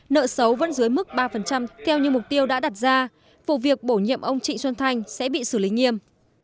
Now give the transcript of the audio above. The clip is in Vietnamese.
nợ xấu vẫn dưới mức ba theo như mục tiêu đã đặt ra vụ việc bổ nhiệm ông trịnh xuân thanh sẽ bị xử lý nghiêm